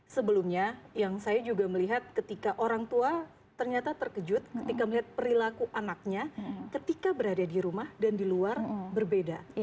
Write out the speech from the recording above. sebelumnya yang saya juga melihat ketika orang tua ternyata terkejut ketika melihat perilaku anaknya ketika berada di rumah dan di luar berbeda